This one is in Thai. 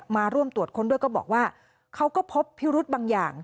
มาร่วมตรวจค้นด้วยก็บอกว่าเขาก็พบพิรุธบางอย่าง